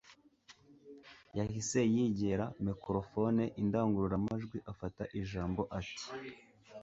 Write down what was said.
Yahise yegera microphoneindangururamajwi afata ijambo ati